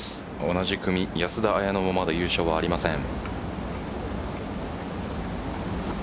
同じ組、安田彩乃もまだ優勝はありません。